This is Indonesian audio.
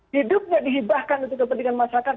hidupnya dihibahkan untuk kepentingan masyarakat